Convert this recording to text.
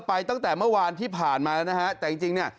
ไปตั้งแต่เมื่อหวานที่ผ่านมาแล้วแต่จริงนี้